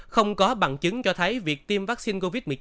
không có bằng chứng cho thấy việc tiêm vaccine covid một mươi chín